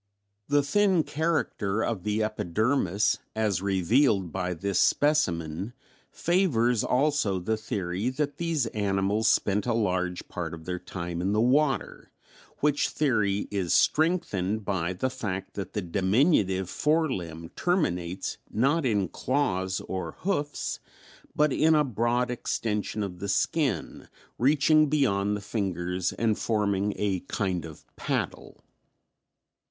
] "The thin character of the epidermis as revealed by this specimen favors also the theory that these animals spent a large part of their time in the water, which theory is strengthened by the fact that the diminutive fore limb terminates not in claws or hoofs, but in a broad extension of the skin, reaching beyond the fingers and forming a kind of paddle.